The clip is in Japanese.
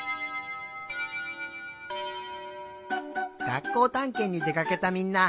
がっこうたんけんにでかけたみんな。